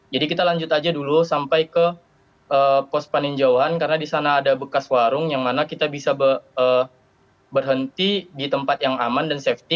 jadi kita lanjut aja dulu sampai ke pos paninjauhan karena disana ada bekas warung yang mana kita bisa berhenti di tempat yang aman dan safety